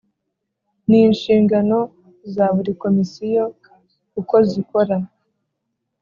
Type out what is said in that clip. n inshingano za buri Komisiyo uko zikora